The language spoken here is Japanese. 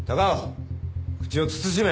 口を慎め。